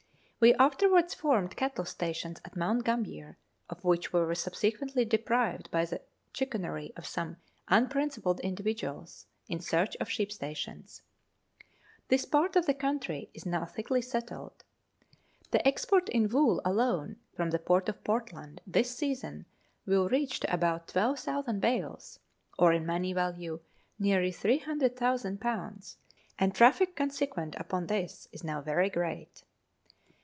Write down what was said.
We afterwards formed cattle stations at Mount Gambier, of which we were subsequently deprived by the chicanery of some unprincipled individuals in search of sheep stations. This part of the country is now thickly settled. The export in wool alone from the port of Portland this season will reach, to about 12,000 bales, or in money value nearly 300,000, and traffic consequent upon this is now very great.